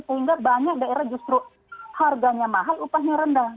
sehingga banyak daerah justru harganya mahal upahnya rendah